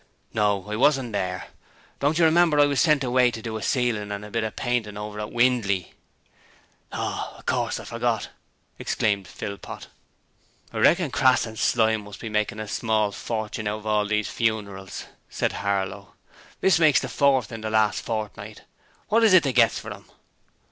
'No, I wasn't 'ere. Don't you remember I was sent away to do a ceilin' and a bit of painting over at Windley?' 'Oh, of course; I forgot,' exclaimed Philpot. 'I reckon Crass and Slyme must be making a small fortune out of all these funerals,' said Harlow. 'This makes the fourth in the last fortnight. What is it they gets for 'em?'